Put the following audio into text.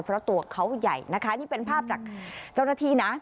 เพราะตัวเขาใหญ่นะคะนี่เป็นภาพจากเจ้าหน้าที่นะ